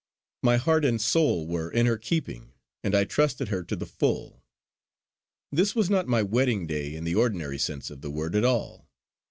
My heart and soul were in her keeping, and I trusted her to the full. This was not my wedding day in the ordinary sense of the word at all.